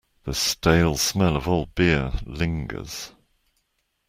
The stale smell of old beer lingers.